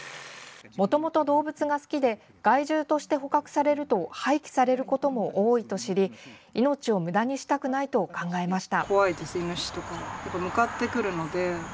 もともと動物が好きで害獣として捕獲されると廃棄されることも多いと知り命をむだにしたくないと考えました。